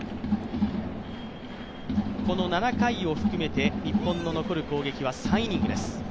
この７回を含めて日本の残る攻撃は３イニングです。